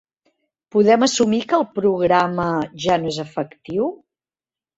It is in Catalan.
Podem assumir que el programa ja no és efectiu?